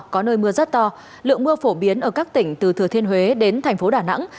có nơi mưa rất to lượng mưa phổ biến ở các tỉnh từ thừa thiên huế đến thành phố đà nẵng